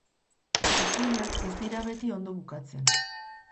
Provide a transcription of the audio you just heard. Ipuinak ez dira beti ondo bukatzen.